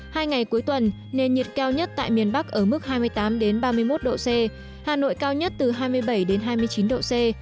hai ngày cuối tuần nền nhiệt cao nhất tại miền bắc ở mức hai mươi tám ba mươi một độ c hà nội cao nhất từ hai mươi bảy hai mươi chín độ c